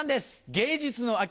芸術の秋